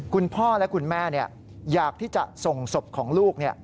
คุณพ่อและคุณแม่อยากที่จะส่งศพของลูก